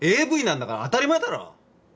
ＡＶなんだから当たり前だろ。